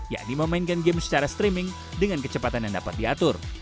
yakni memainkan game secara streaming dengan kecepatan yang dapat diatur